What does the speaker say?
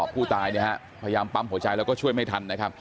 ผู้ตายพยายามปั๊มหัวใจแล้วก็ช่วยไม่ทันนะครับ